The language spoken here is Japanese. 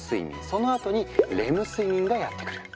そのあとにレム睡眠がやって来る。